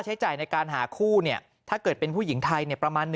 ใช้จ่ายในการหาคู่ถ้าเกิดเป็นผู้หญิงไทยประมาณ